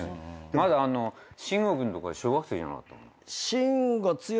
まだ慎吾君とか小学生じゃなかった？